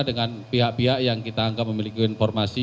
dengan pihak pihak yang kita anggap memiliki informasi